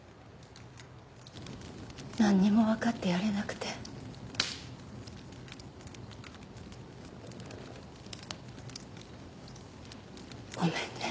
なんにもわかってやれなくてごめんね。